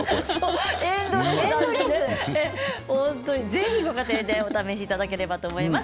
ぜひご家庭でお試しいただければと思います。